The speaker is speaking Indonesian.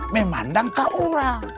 memandang ke orang